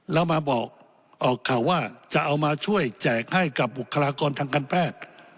แล้วมาบอกออกข่าวว่าจะเอามาช่วยแจกให้กับบุคลากรทางการแพทย์